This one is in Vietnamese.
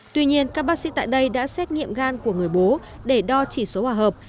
tuy nhiên các bác sĩ tại đây đã xét nghiệm gan của người bố để đo chỉ số hòa hợp